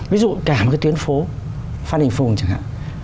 ví dụ cả một cái tuyến phố